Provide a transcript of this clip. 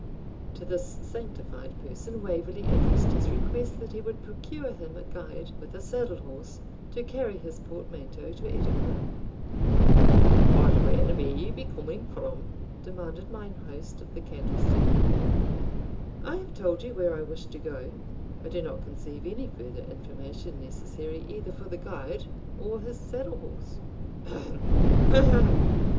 To this sanctified person Waverley addressed his request that he would procure him a guide, with a saddle horse, to carry his portmanteau to Edinburgh. 'And whar may ye be coming from?' demanded mine host of the Candlestick. 'I have told you where I wish to go; I do not conceive any further information necessary either for the guide or his saddle horse.' 'Hem! Ahem!'